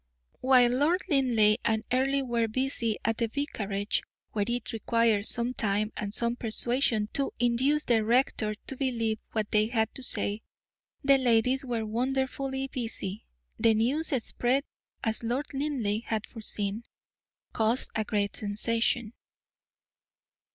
While Lord Linleigh and Earle were busy at the vicarage, where it required some time and some persuasion to induce the rector to believe what they had to say, the ladies were wonderfully busy. The news spread, and as Lord Linleigh had foreseen, caused a great sensation.